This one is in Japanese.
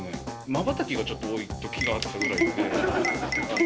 まばたきがちょっと多いときがあったぐらいで。